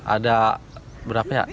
ada berapa ya